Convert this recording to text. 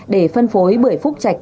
để phân phối bưởi phúc chạch